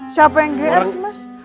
siapa yang gr sih mas